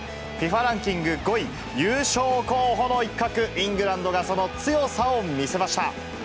ＦＩＦＡランキング５位、優勝候補の一角、イングランドが、その強さを見せました。